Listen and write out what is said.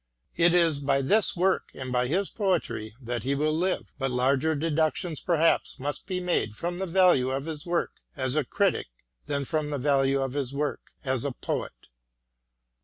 It is by this work and by his poetry that he will live, but larger deductions perhaps must be made from the value of his work as a critic than from the value of his work as a poet.